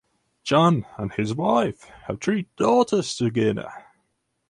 Chun and his wife have three daughters together.